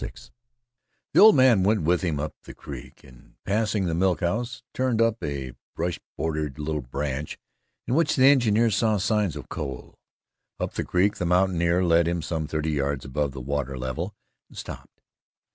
VI The old man went with him up the creek and, passing the milk house, turned up a brush bordered little branch in which the engineer saw signs of coal. Up the creek the mountaineer led him some thirty yards above the water level and stopped.